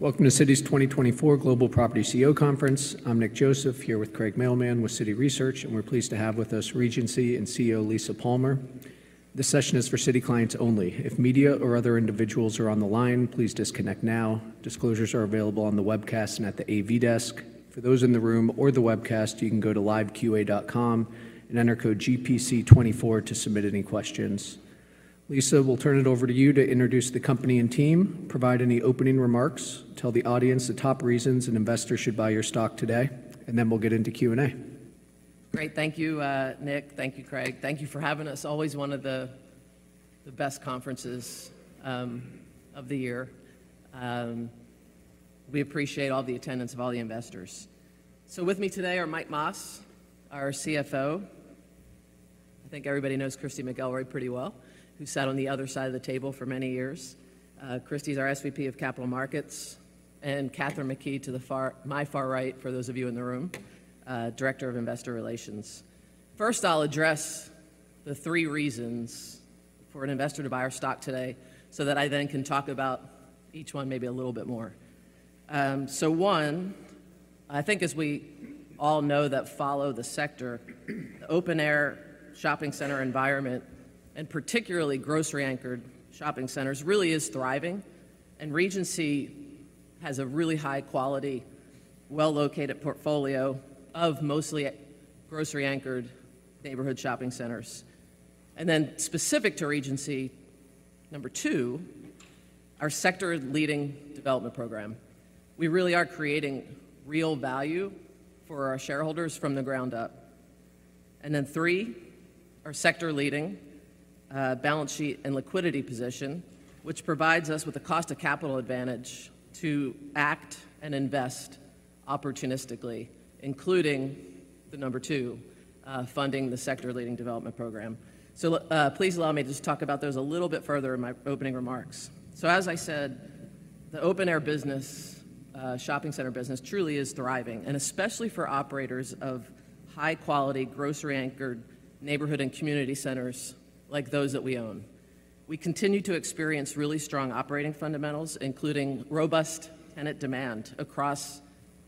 Welcome to Citi's 2024 Global Property CEO Conference. I'm Nick Joseph here with Craig Mailman with Citi Research, and we're pleased to have with us Regency's CEO Lisa Palmer. This session is for Citi clients only. If media or other individuals are on the line, please disconnect now. Disclosures are available on the webcast and at the AV desk. For those in the room or the webcast, you can go to live Q&A and enter code GPC24 to submit any questions. Lisa, we'll turn it over to you to introduce the company and team, provide any opening remarks, tell the audience the top reasons an investor should buy your stock today, and then we'll get into Q&A. Great. Thank you, Nick. Thank you, Craig. Thank you for having us. Always one of the best conferences of the year. We appreciate all the attendance of all the investors. So with me today are Mike Mas, our CFO. I think everybody knows Christy McElroy pretty well, who sat on the other side of the table for many years. Christy's our SVP of Capital Markets, and Catherine McKee to my far right, for those of you in the room, Director of Investor Relations. First, I'll address the three reasons for an investor to buy our stock today so that I then can talk about each one maybe a little bit more. So one, I think as we all know that follow the sector, the open-air shopping center environment, and particularly grocery-anchored shopping centers, really is thriving. And Regency has a really high-quality, well-located portfolio of mostly grocery-anchored neighborhood shopping centers. And then specific to Regency, number two, our sector-leading development program. We really are creating real value for our shareholders from the ground up. And then three, our sector-leading balance sheet and liquidity position, which provides us with a cost-of-capital advantage to act and invest opportunistically, including number two, funding the sector-leading development program. So please allow me to just talk about those a little bit further in my opening remarks. So as I said, the open-air business, shopping center business, truly is thriving, and especially for operators of high-quality grocery-anchored neighborhood and community centers like those that we own. We continue to experience really strong operating fundamentals, including robust tenant demand across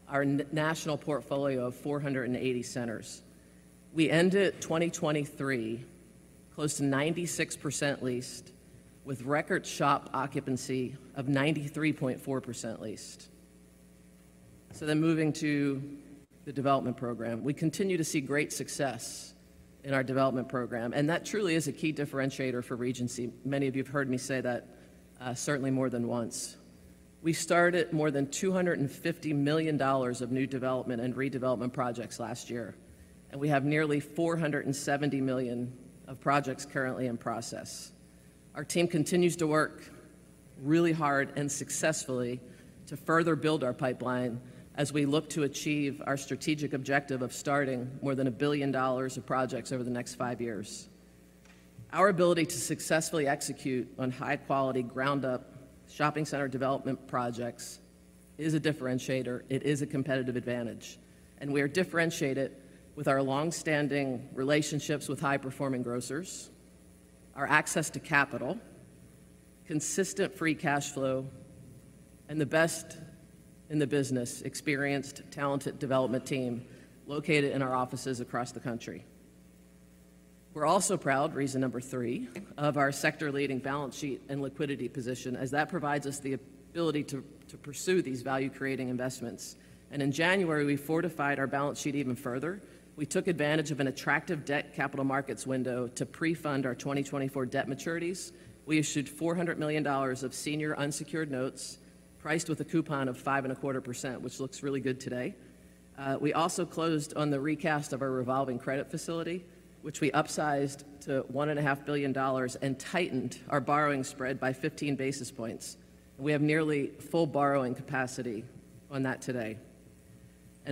our national portfolio of 480 centers. We ended 2023 close to 96% leased, with record shop occupancy of 93.4% leased. So then moving to the development program. We continue to see great success in our development program, and that truly is a key differentiator for Regency. Many of you have heard me say that certainly more than once. We started more than $250 million of new development and redevelopment projects last year, and we have nearly $470 million of projects currently in process. Our team continues to work really hard and successfully to further build our pipeline as we look to achieve our strategic objective of starting more than $1 billion of projects over the next five years. Our ability to successfully execute on high-quality ground-up shopping center development projects is a differentiator. It is a competitive advantage. We are differentiated with our longstanding relationships with high-performing grocers, our access to capital, consistent free cash flow, and the best-in-the-business experienced talented development team located in our offices across the country. We're also proud, reason number three, of our sector-leading balance sheet and liquidity position, as that provides us the ability to pursue these value-creating investments. And in January, we fortified our balance sheet even further. We took advantage of an attractive debt capital markets window to pre-fund our 2024 debt maturities. We issued $400 million of senior unsecured notes priced with a coupon of 5.25%, which looks really good today. We also closed on the recast of our revolving credit facility, which we upsized to $1.5 billion and tightened our borrowing spread by 15 basis points. We have nearly full borrowing capacity on that today.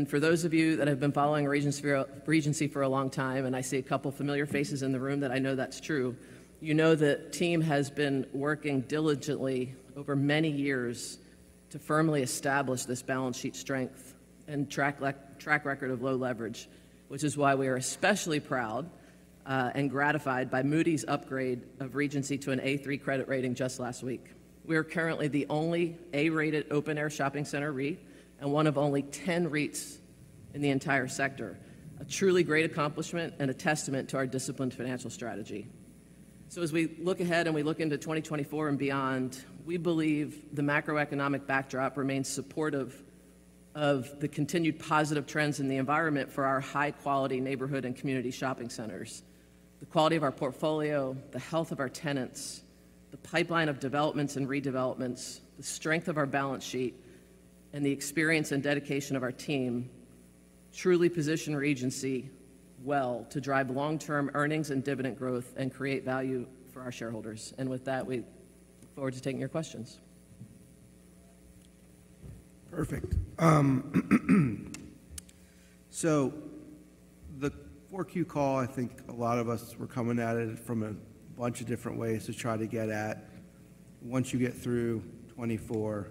For those of you that have been following Regency for a long time, and I see a couple familiar faces in the room that I know that's true, you know the team has been working diligently over many years to firmly establish this balance sheet strength and track record of low leverage, which is why we are especially proud and gratified by Moody's upgrade of Regency to an A3 credit rating just last week. We are currently the only A-rated open-air shopping center REIT and one of only 10 REITs in the entire sector, a truly great accomplishment and a testament to our disciplined financial strategy. So as we look ahead and we look into 2024 and beyond, we believe the macroeconomic backdrop remains supportive of the continued positive trends in the environment for our high-quality neighborhood and community shopping centers. The quality of our portfolio, the health of our tenants, the pipeline of developments and redevelopments, the strength of our balance sheet, and the experience and dedication of our team truly position Regency well to drive long-term earnings and dividend growth and create value for our shareholders. With that, we look forward to taking your questions. Perfect. So the 4Q call, I think a lot of us were coming at it from a bunch of different ways to try to get at once you get through 2024,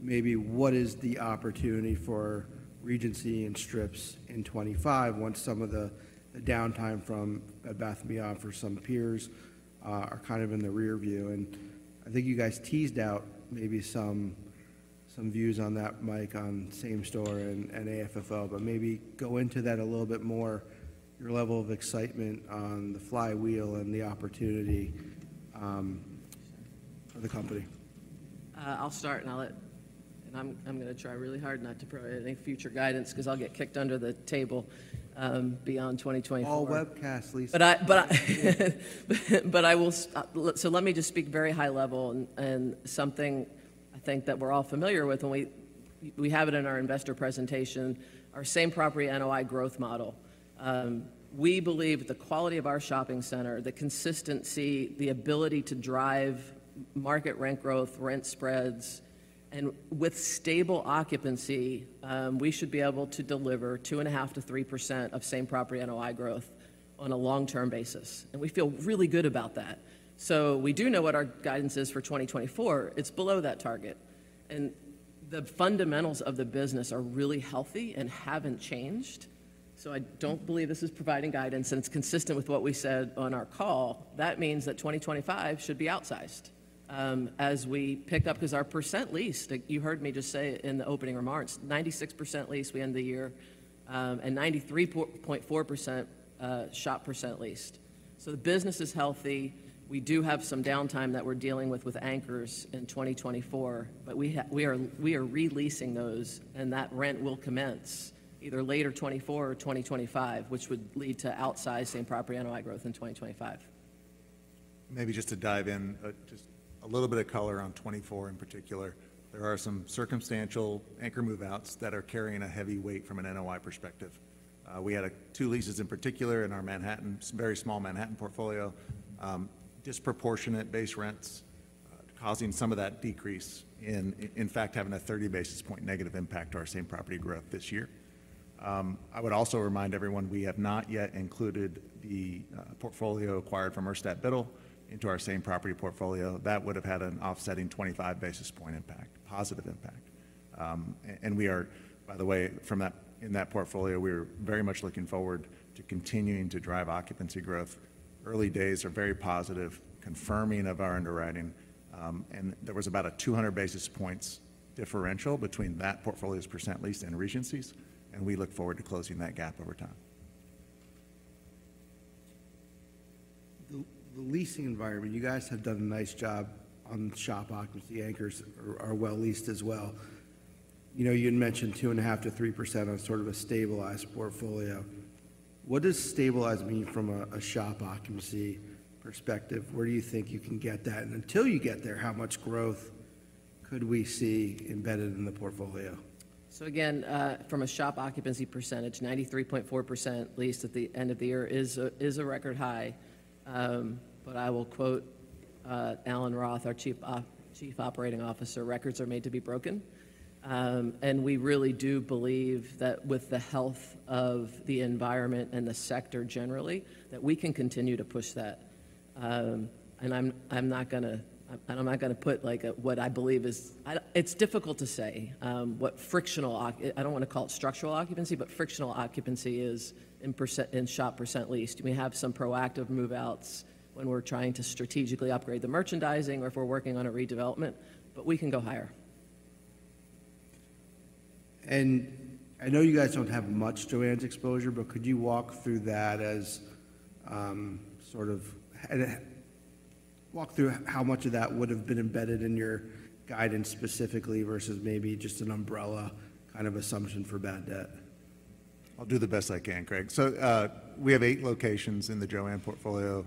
maybe what is the opportunity for Regency and Strips in 2025 once some of the downtime from Bed Bath & Beyond for some peers are kind of in the rearview? And I think you guys teased out maybe some views on that, Mike, on same-store and AFFO, but maybe go into that a little bit more, your level of excitement on the flywheel and the opportunity for the company. I'll start, and I'm going to try really hard not to throw any future guidance because I'll get kicked under the table beyond 2024. All webcast, Lisa. Let me just speak very high level and something I think that we're all familiar with, and we have it in our investor presentation, our Same Property NOI growth model. We believe the quality of our shopping center, the consistency, the ability to drive market rent growth, rent spreads, and with stable occupancy, we should be able to deliver 2.5%-3% of Same Property NOI growth on a long-term basis. We feel really good about that. We do know what our guidance is for 2024. It's below that target. The fundamentals of the business are really healthy and haven't changed. I don't believe this is providing guidance, and it's consistent with what we said on our call. That means that 2025 should be outsized as we pick up because our percent leased, you heard me just say in the opening remarks, 96% leased we end the year and 93.4% shop percent leased. So the business is healthy. We do have some downtime that we're dealing with anchors in 2024, but we are releasing those, and that rent will commence either later 2024 or 2025, which would lead to outsized Same Property NOI growth in 2025. Maybe just to dive in, just a little bit of color on 2024 in particular. There are some circumstantial anchor moveouts that are carrying a heavy weight from an NOI perspective. We had two leases in particular in our Manhattan, very small Manhattan portfolio, disproportionate base rents causing some of that decrease in, in fact, having a 30 basis point negative impact to our Same Property growth this year. I would also remind everyone, we have not yet included the portfolio acquired from Urstadt Biddle into our Same Property portfolio. That would have had an offsetting 25 basis point impact, positive impact. And we are, by the way, in that portfolio, we are very much looking forward to continuing to drive occupancy growth. Early days are very positive, confirming of our underwriting. There was about a 200 basis points differential between that portfolio's percent leased and Regency's, and we look forward to closing that gap over time. The leasing environment, you guys have done a nice job on shop occupancy. Anchors are well leased as well. You had mentioned 2.5%-3% on sort of a stabilized portfolio. What does stabilized mean from a shop occupancy perspective? Where do you think you can get that? And until you get there, how much growth could we see embedded in the portfolio? So again, from a shop occupancy percentage, 93.4% leased at the end of the year is a record high. But I will quote Alan Roth, our Chief Operating Officer, "Records are made to be broken." And we really do believe that with the health of the environment and the sector generally, that we can continue to push that. And I'm not going to put what I believe is it's difficult to say what frictional I don't want to call it structural occupancy, but frictional occupancy is in shop percent leased. We have some proactive moveouts when we're trying to strategically upgrade the merchandising or if we're working on a redevelopment, but we can go higher. I know you guys don't have much JOANN's exposure, but could you walk through that as sort of walk through how much of that would have been embedded in your guidance specifically versus maybe just an umbrella kind of assumption for bad debt? I'll do the best I can, Craig. We have eight locations in the JOANN portfolio.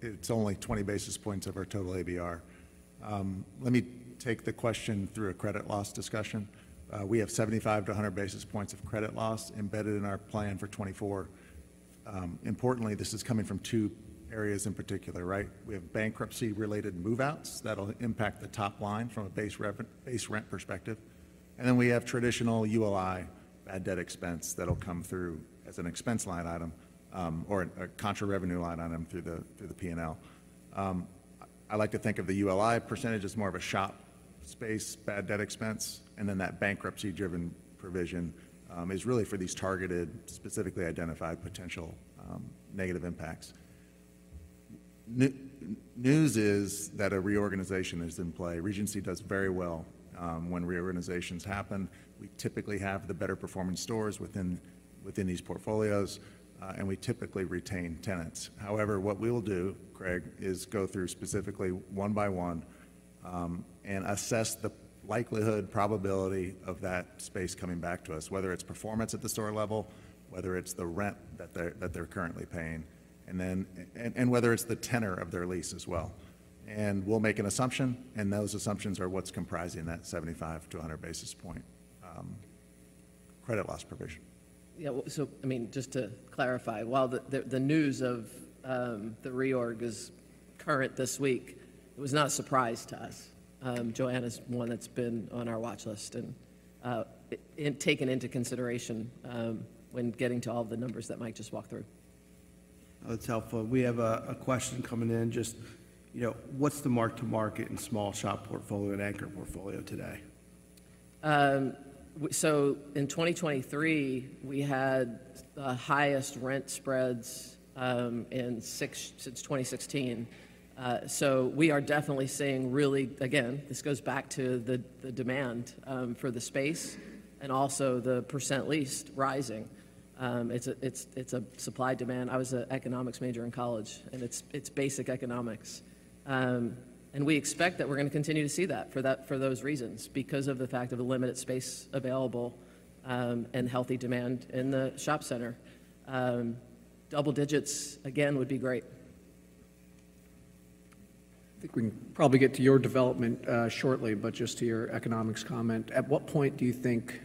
It's only 20 basis points of our total ABR. Let me take the question through a credit loss discussion. We have 75-100 basis points of credit loss embedded in our plan for 2024. Importantly, this is coming from two areas in particular, right? We have bankruptcy-related moveouts that'll impact the top line from a base rent perspective. And then we have traditional ULI bad debt expense that'll come through as an expense line item or a contra-revenue line item through the P&L. I like to think of the ULI percentage as more of a shop space bad debt expense. And then that bankruptcy-driven provision is really for these targeted, specifically identified potential negative impacts. News is that a reorganization is in play. Regency does very well when reorganizations happen. We typically have the better-performing stores within these portfolios, and we typically retain tenants. However, what we will do, Craig, is go through specifically one by one and assess the likelihood, probability of that space coming back to us, whether it's performance at the store level, whether it's the rent that they're currently paying, and whether it's the tenor of their lease as well. We'll make an assumption, and those assumptions are what's comprising that 75-100 basis points credit loss provision. Yeah. So I mean, just to clarify, while the news of the reorg is current this week, it was not a surprise to us. JOANN is one that's been on our watchlist and taken into consideration when getting to all of the numbers that Mike just walked through. That's helpful. We have a question coming in. Just what's the mark-to-market in small shop portfolio and anchor portfolio today? So in 2023, we had the highest rent spreads since 2016. So we are definitely seeing really again, this goes back to the demand for the space and also the % leased rising. It's a supply demand. I was an economics major in college, and it's basic economics. And we expect that we're going to continue to see that for those reasons because of the fact of the limited space available and healthy demand in the shopping center. Double digits, again, would be great. I think we can probably get to your development shortly, but just to your economics comment, at what point do you think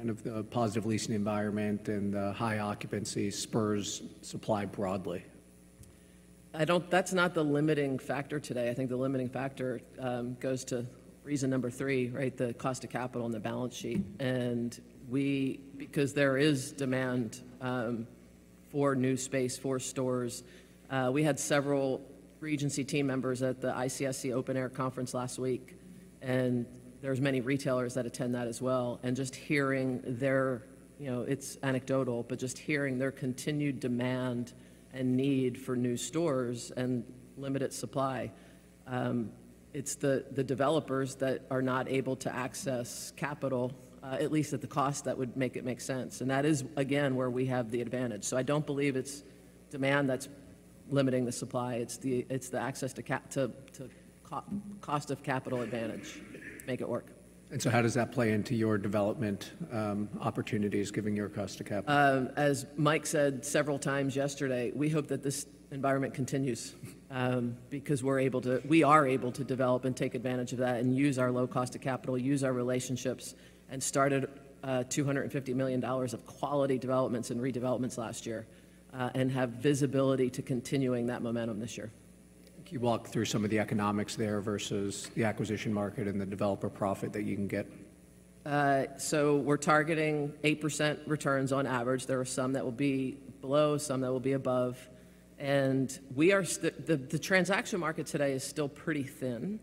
kind of the positive leasing environment and the high occupancy spurs supply broadly? That's not the limiting factor today. I think the limiting factor goes to reason number 3, right, the cost of capital in the balance sheet. And because there is demand for new space, for stores, we had several Regency team members at the ICSC Open Air conference last week, and there's many retailers that attend that as well. And just hearing their it's anecdotal, but just hearing their continued demand and need for new stores and limited supply, it's the developers that are not able to access capital, at least at the cost that would make it make sense. And that is, again, where we have the advantage. So I don't believe it's demand that's limiting the supply. It's the access to cost of capital advantage make it work. How does that play into your development opportunities, given your cost of capital? As Mike said several times yesterday, we hope that this environment continues because we're able to develop and take advantage of that and use our low cost of capital, use our relationships, and started $250 million of quality developments and redevelopments last year and have visibility to continuing that momentum this year. Can you walk through some of the economics there versus the acquisition market and the developer profit that you can get? So we're targeting 8% returns on average. There are some that will be below, some that will be above. And the transactional market today is still pretty thin.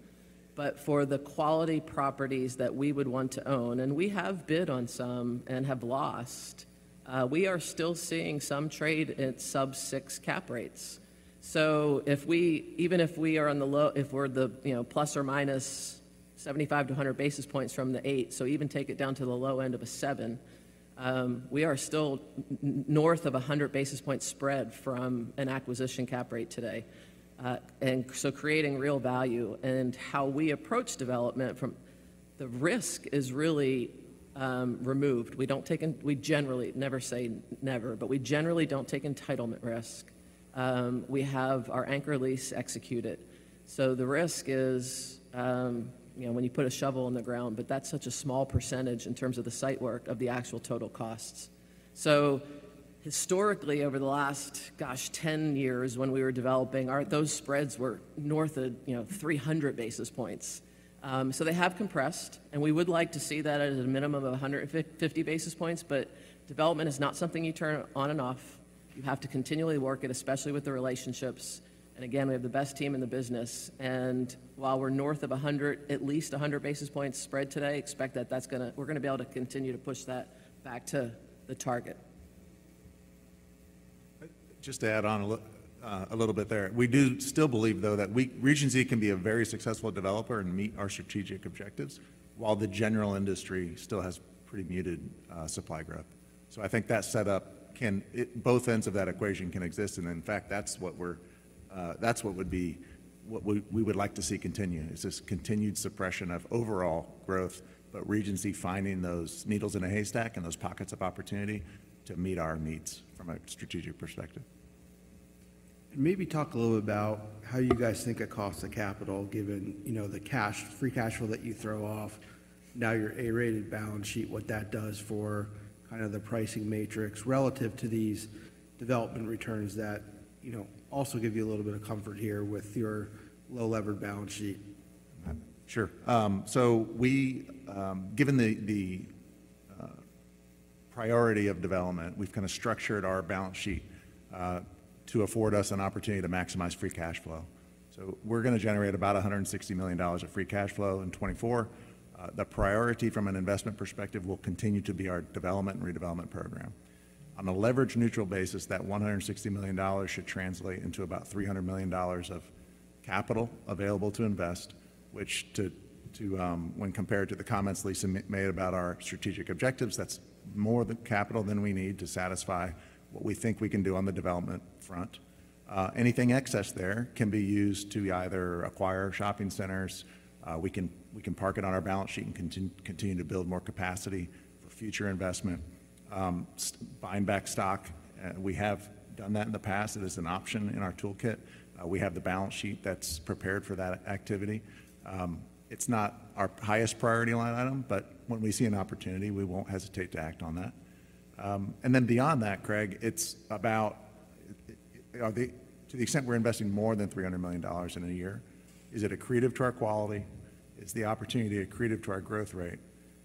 But for the quality properties that we would want to own and we have bid on some and have lost, we are still seeing some trade at sub-6 cap rates. So even if we are on the low if we're the ±75-100 basis points from the 8, so even take it down to the low end of a 7, we are still north of 100 basis points spread from an acquisition cap rate today, and so creating real value. And how we approach development, the risk is really removed. We don't take we generally never say never, but we generally don't take entitlement risk. We have our anchor lease executed. So the risk is when you put a shovel in the ground, but that's such a small percentage in terms of the site work of the actual total costs. So historically, over the last, gosh, 10 years, when we were developing, those spreads were north of 300 basis points. So they have compressed, and we would like to see that at a minimum of 150 basis points. But development is not something you turn on and off. You have to continually work it, especially with the relationships. And again, we have the best team in the business. And while we're north of 100, at least 100 basis points spread today, expect that we're going to be able to continue to push that back to the target. Just to add on a little bit there, we do still believe, though, that Regency can be a very successful developer and meet our strategic objectives while the general industry still has pretty muted supply growth. So I think that setup can both ends of that equation can exist. And in fact, that's what we would like to see continue, is this continued suppression of overall growth, but Regency finding those needles in a haystack and those pockets of opportunity to meet our needs from a strategic perspective. Maybe talk a little about how you guys think of cost of capital, given the cash, free cash flow that you throw off, now your A-rated balance sheet, what that does for kind of the pricing matrix relative to these development returns that also give you a little bit of comfort here with your low-levered balance sheet. Sure. So given the priority of development, we've kind of structured our balance sheet to afford us an opportunity to maximize free cash flow. So we're going to generate about $160 million of free cash flow in 2024. The priority from an investment perspective will continue to be our development and redevelopment program. On a leverage-neutral basis, that $160 million should translate into about $300 million of capital available to invest, which when compared to the comments Lisa made about our strategic objectives, that's more capital than we need to satisfy what we think we can do on the development front. Anything excess there can be used to either acquire shopping centers. We can park it on our balance sheet and continue to build more capacity for future investment, buying back stock. We have done that in the past. It is an option in our toolkit. We have the balance sheet that's prepared for that activity. It's not our highest priority line item, but when we see an opportunity, we won't hesitate to act on that. And then beyond that, Craig, it's about to the extent we're investing more than $300 million in a year, is it accretive to our quality? Is the opportunity accretive to our growth rate?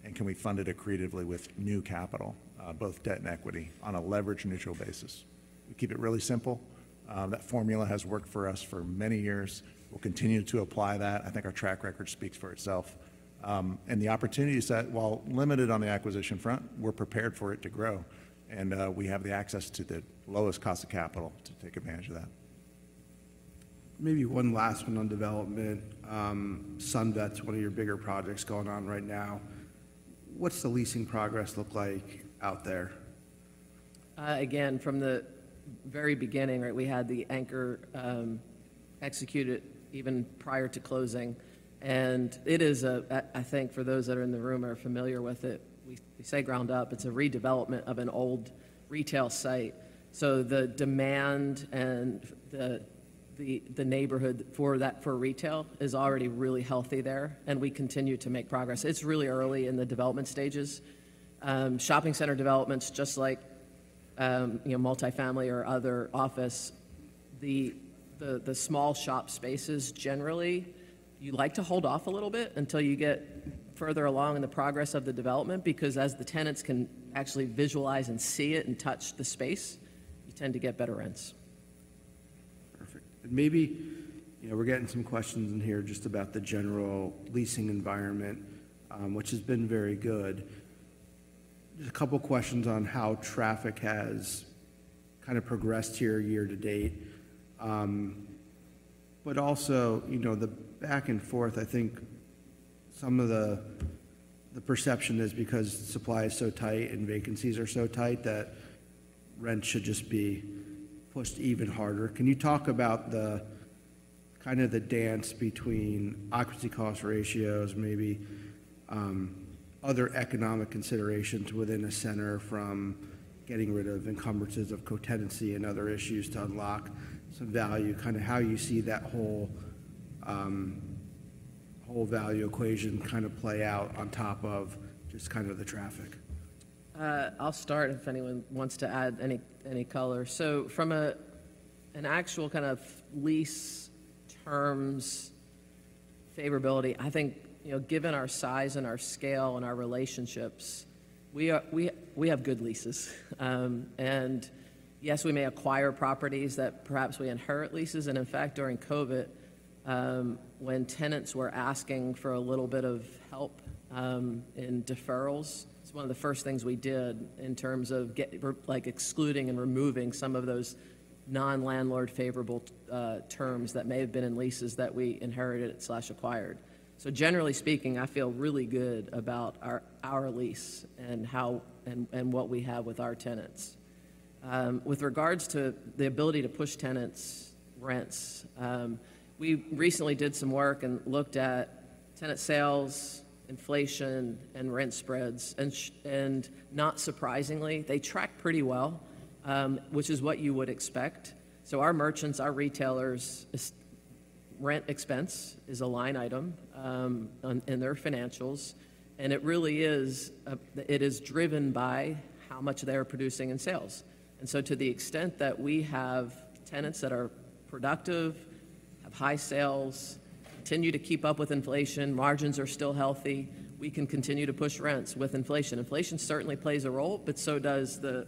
And can we fund it accretively with new capital, both debt and equity, on a leverage-neutral basis? We keep it really simple. That formula has worked for us for many years. We'll continue to apply that. I think our track record speaks for itself. And the opportunity is that while limited on the acquisition front, we're prepared for it to grow. And we have the access to the lowest cost of capital to take advantage of that. Maybe one last one on development. SunVet's one of your bigger projects going on right now. What's the leasing progress look like out there? Again, from the very beginning, right, we had the anchor executed even prior to closing. And it is a I think for those that are in the room are familiar with it, we say ground up. It's a redevelopment of an old retail site. So the demand and the neighborhood for retail is already really healthy there, and we continue to make progress. It's really early in the development stages. Shopping center developments, just like multifamily or other office, the small shop spaces generally, you like to hold off a little bit until you get further along in the progress of the development because as the tenants can actually visualize and see it and touch the space, you tend to get better rents. Perfect. And maybe we're getting some questions in here just about the general leasing environment, which has been very good. Just a couple of questions on how traffic has kind of progressed here year to date. But also the back and forth, I think some of the perception is because supply is so tight and vacancies are so tight that rent should just be pushed even harder. Can you talk about kind of the dance between occupancy cost ratios, maybe other economic considerations within a center from getting rid of encumbrances of cotenancy and other issues to unlock some value, kind of how you see that whole value equation kind of play out on top of just kind of the traffic? I'll start if anyone wants to add any color. So from an actual kind of lease terms favorability, I think given our size and our scale and our relationships, we have good leases. And yes, we may acquire properties that perhaps we inherit leases. And in fact, during COVID, when tenants were asking for a little bit of help in deferrals, it's one of the first things we did in terms of excluding and removing some of those non-landlord-favorable terms that may have been in leases that we inherited or acquired. So generally speaking, I feel really good about our lease and what we have with our tenants. With regards to the ability to push tenants' rents, we recently did some work and looked at tenant sales, inflation, and rent spreads. And not surprisingly, they track pretty well, which is what you would expect. So our merchants, our retailers, rent expense is a line item in their financials. And it really is driven by how much they are producing in sales. And so to the extent that we have tenants that are productive, have high sales, continue to keep up with inflation, margins are still healthy, we can continue to push rents with inflation. Inflation certainly plays a role, but so does the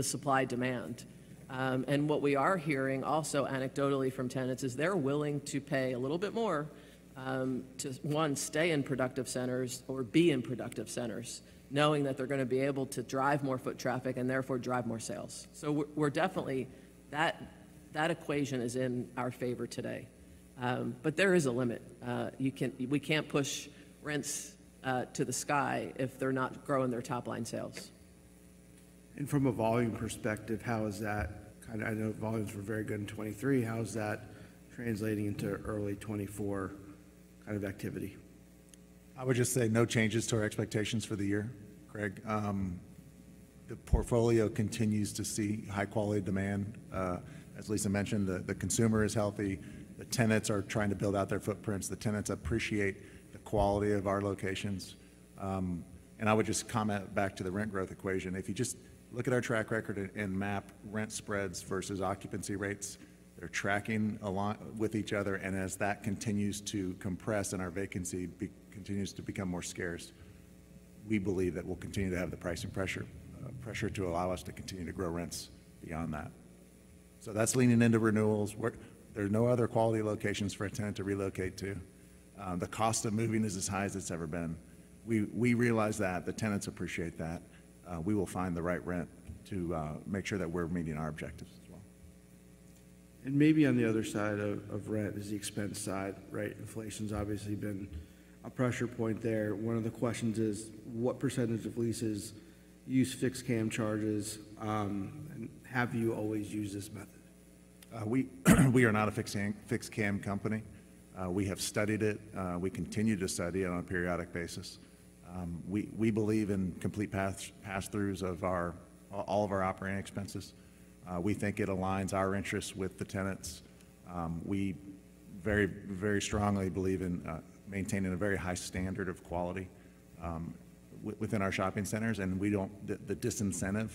supply demand. And what we are hearing also anecdotally from tenants is they're willing to pay a little bit more to, one, stay in productive centers or be in productive centers, knowing that they're going to be able to drive more foot traffic and therefore drive more sales. So that equation is in our favor today. But there is a limit. We can't push rents to the sky if they're not growing their top-line sales. From a volume perspective, how is that kind of, I know, volumes were very good in 2023? How is that translating into early 2024 kind of activity? I would just say no changes to our expectations for the year, Craig. The portfolio continues to see high-quality demand. As Lisa mentioned, the consumer is healthy. The tenants are trying to build out their footprints. The tenants appreciate the quality of our locations. And I would just comment back to the rent growth equation. If you just look at our track record and map rent spreads versus occupancy rates, they're tracking along with each other. And as that continues to compress and our vacancy continues to become more scarce, we believe that we'll continue to have the pricing pressure to allow us to continue to grow rents beyond that. So that's leaning into renewals. There's no other quality locations for a tenant to relocate to. The cost of moving is as high as it's ever been. We realize that. The tenants appreciate that. We will find the right rent to make sure that we're meeting our objectives as well. Maybe on the other side of rent is the expense side, right? Inflation's obviously been a pressure point there. One of the questions is, what percentage of leases use fixed CAM charges? And have you always used this method? We are not a fixed CAM company. We have studied it. We continue to study it on a periodic basis. We believe in complete pass-throughs of all of our operating expenses. We think it aligns our interests with the tenants. We very, very strongly believe in maintaining a very high standard of quality within our shopping centers. And the disincentive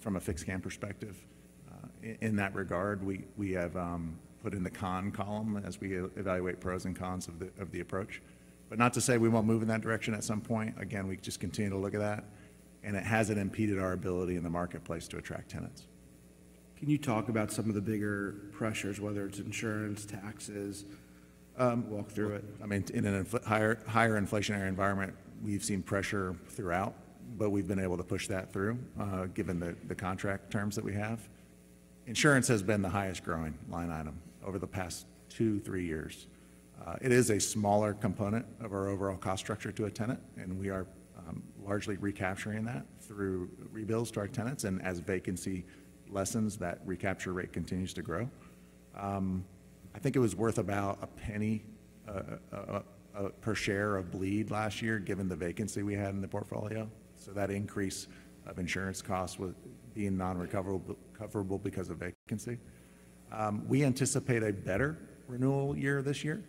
from a fixed CAM perspective, in that regard, we have put in the con column as we evaluate pros and cons of the approach. But not to say we won't move in that direction at some point. Again, we just continue to look at that. And it hasn't impeded our ability in the marketplace to attract tenants. Can you talk about some of the bigger pressures, whether it's insurance, taxes? Walk through it. I mean, in a higher inflationary environment, we've seen pressure throughout, but we've been able to push that through given the contract terms that we have. Insurance has been the highest-growing line item over the past 2-3 years. It is a smaller component of our overall cost structure to a tenant. And we are largely recapturing that through rebills to our tenants. And as vacancy lessens, that recapture rate continues to grow. I think it was worth about $0.01 per share of bleed last year given the vacancy we had in the portfolio. So that increase of insurance costs was being non-recoverable because of vacancy. We anticipate a better renewal year this year.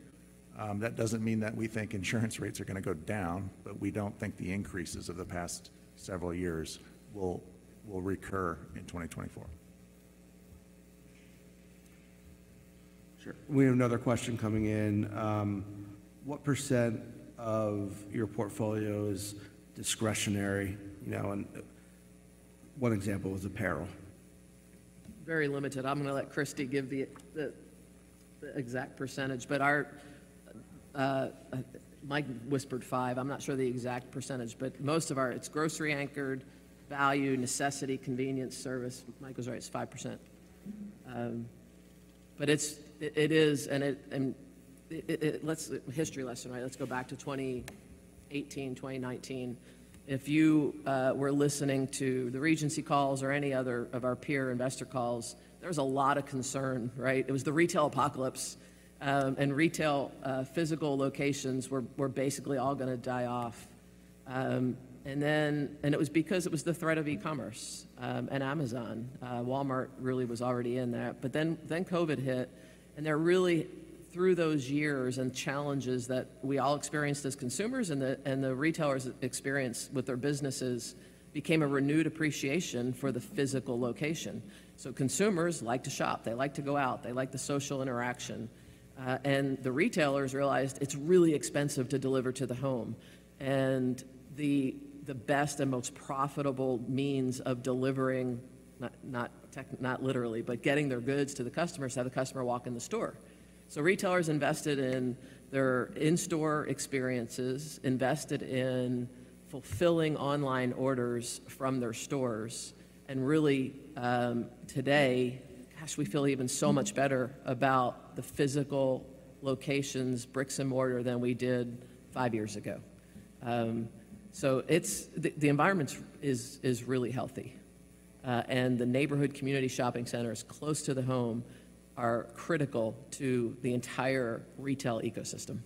That doesn't mean that we think insurance rates are going to go down, but we don't think the increases of the past several years will recur in 2024. Sure. We have another question coming in. What % of your portfolio is discretionary? One example was apparel. Very limited. I'm going to let Christy give the exact percentage. But Mike whispered 5. I'm not sure the exact percentage. But most of our it's grocery-anchored, value, necessity, convenience, service. Mike was right. It's 5%. But it is and let's history lesson, right? Let's go back to 2018, 2019. If you were listening to the Regency calls or any other of our peer investor calls, there was a lot of concern, right? It was the retail apocalypse. And retail physical locations were basically all going to die off. And it was because it was the threat of e-commerce and Amazon. Walmart really was already in there. But then COVID hit. And there really through those years and challenges that we all experienced as consumers and the retailers experienced with their businesses became a renewed appreciation for the physical location. So consumers like to shop. They like to go out. They like the social interaction. The retailers realized it's really expensive to deliver to the home. The best and most profitable means of delivering not literally, but getting their goods to the customer is to have the customer walk in the store. Retailers invested in their in-store experiences, invested in fulfilling online orders from their stores. Really today, gosh, we feel even so much better about the physical locations bricks and mortar than we did five years ago. The environment is really healthy. The neighborhood community shopping centers close to the home are critical to the entire retail ecosystem.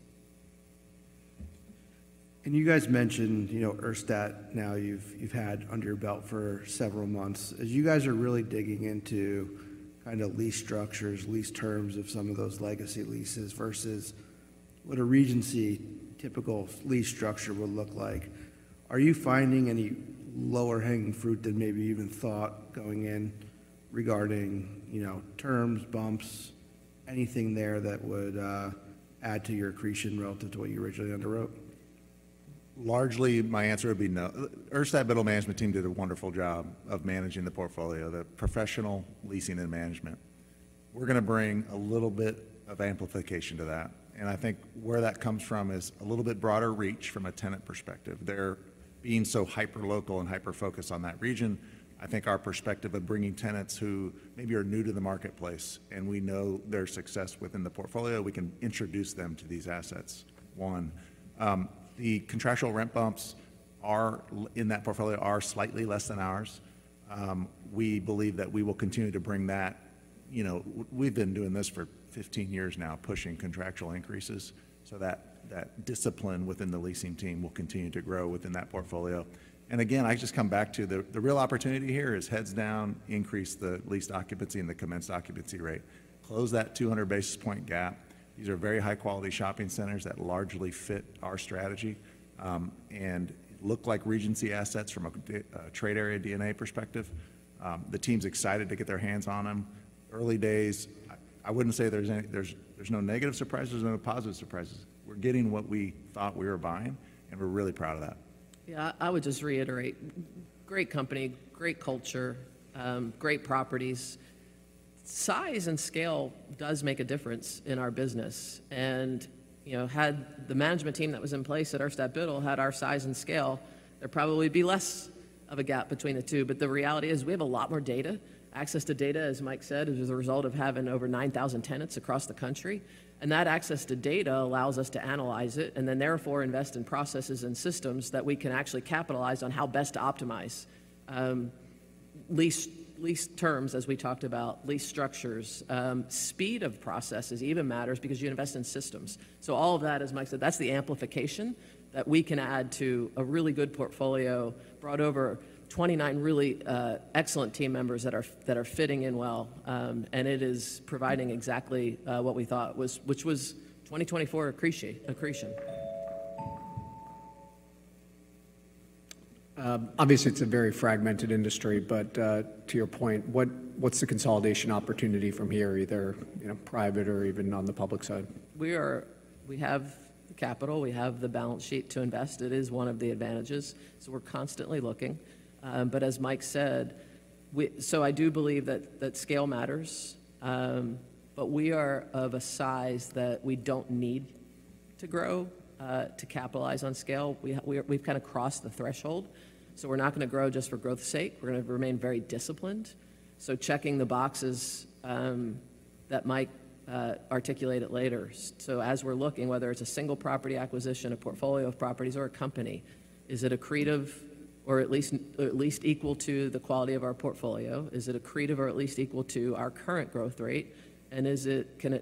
You guys mentioned Urstadt now you've had under your belt for several months. As you guys are really digging into kind of lease structures, lease terms of some of those legacy leases versus what a Regency typical lease structure would look like, are you finding any lower-hanging fruit than maybe you even thought going in regarding terms, bumps, anything there that would add to your accretion relative to what you originally underwrote? Largely, my answer would be no. Urstadt Biddle management team did a wonderful job of managing the portfolio, the professional leasing and management. We're going to bring a little bit of amplification to that. And I think where that comes from is a little bit broader reach from a tenant perspective. There being so hyper-local and hyper-focused on that region, I think our perspective of bringing tenants who maybe are new to the marketplace and we know their success within the portfolio, we can introduce them to these assets, one. The contractual rent bumps in that portfolio are slightly less than ours. We believe that we will continue to bring that we've been doing this for 15 years now, pushing contractual increases. So that discipline within the leasing team will continue to grow within that portfolio. I just come back to the real opportunity here is heads down, increase the leased occupancy and the commenced occupancy rate, close that 200 basis points gap. These are very high-quality shopping centers that largely fit our strategy and look like Regency assets from a trade area DNA perspective. The team's excited to get their hands on them. Early days, I wouldn't say there's no negative surprises. There's no positive surprises. We're getting what we thought we were buying, and we're really proud of that. Yeah. I would just reiterate. Great company, great culture, great properties. Size and scale does make a difference in our business. Had the management team that was in place at Urstadt Biddle had our size and scale, there probably would be less of a gap between the two. But the reality is we have a lot more data. Access to data, as Mike said, is as a result of having over 9,000 tenants across the country. And that access to data allows us to analyze it and then therefore invest in processes and systems that we can actually capitalize on how best to optimize leased terms, as we talked about, leased structures. Speed of processes even matters because you invest in systems. So all of that, as Mike said, that's the amplification that we can add to a really good portfolio brought over 29 really excellent team members that are fitting in well. And it is providing exactly what we thought was, which was 2024 accretion. Obviously, it's a very fragmented industry. But to your point, what's the consolidation opportunity from here, either private or even on the public side? We have the capital. We have the balance sheet to invest. It is one of the advantages. So we're constantly looking. But as Mike said, so I do believe that scale matters. But we are of a size that we don't need to grow to capitalize on scale. We've kind of crossed the threshold. So we're not going to grow just for growth's sake. We're going to remain very disciplined. So checking the boxes that Mike articulated later. So as we're looking, whether it's a single property acquisition, a portfolio of properties, or a company, is it accretive or at least equal to the quality of our portfolio? Is it accretive or at least equal to our current growth rate? And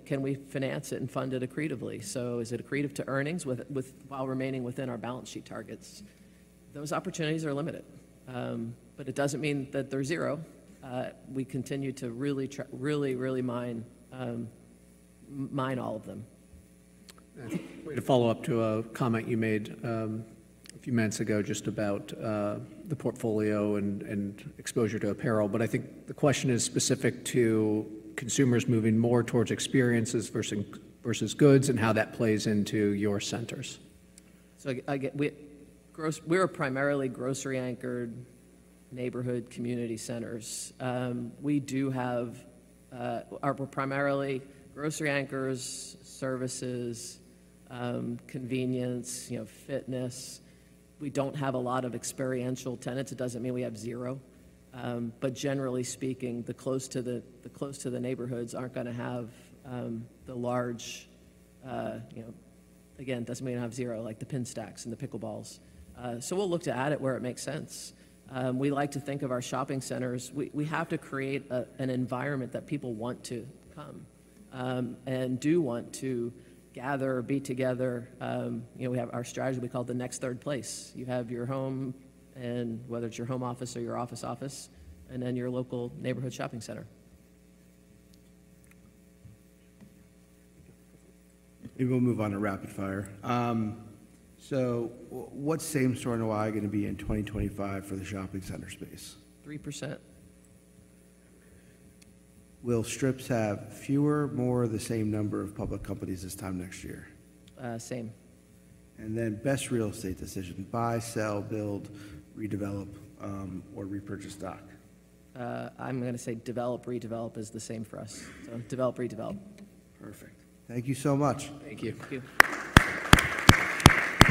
can we finance it and fund it accretively? So is it accretive to earnings while remaining within our balance sheet targets? Those opportunities are limited. But it doesn't mean that they're zero. We continue to really, really, really mine all of them. Maybe to follow up to a comment you made a few minutes ago just about the portfolio and exposure to apparel. But I think the question is specific to consumers moving more towards experiences versus goods and how that plays into your centers. So we're primarily grocery-anchored neighborhood community centers. We're primarily grocery anchors, services, convenience, fitness. We don't have a lot of experiential tenants. It doesn't mean we have zero. But generally speaking, the close to the neighborhoods aren't going to have the large again. It doesn't mean we don't have zero, like the Pinstacks and the pickleballs. So we'll look to add it where it makes sense. We like to think of our shopping centers. We have to create an environment that people want to come and do want to gather, be together. We have our strategy. We call it the next third place. You have your home, and whether it's your home office or your office office, and then your local neighborhood shopping center. Maybe we'll move on to rapid fire. So what's same-store NOI going to be in 2025 for the shopping center space? 3%. Will Strips have fewer, more of the same number of public companies this time next year? Same. Best real estate decision: buy, sell, build, redevelop, or repurchase stock? I'm going to say develop, redevelop is the same for us. So develop, redevelop. Perfect. Thank you so much. Thank you.